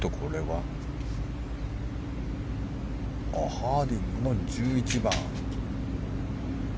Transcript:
ハーディングの１１番。